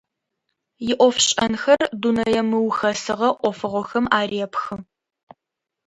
Иӏофшӏэнхэр дунэе мыухэсыгъэ ӏофыгъохэм арепхы.